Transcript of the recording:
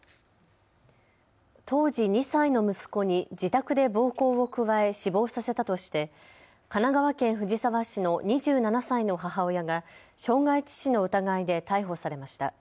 当時２歳の息子に自宅で暴行を加え死亡させたとして神奈川県藤沢市の２７歳の母親が傷害致死の疑いで逮捕されました。